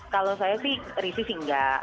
kalau saya sih risih sih enggak